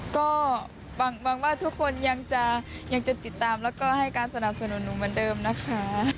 ก็หวังว่าทุกคนยังจะติดตามแล้วก็ให้การสนับสนุนหนูเหมือนเดิมนะคะ